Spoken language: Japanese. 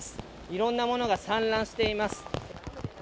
いろんな物が散乱しています。